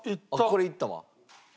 これいったわ。